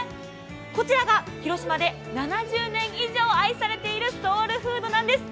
こちらが広島で７０年以上愛されているソウルフードなんです。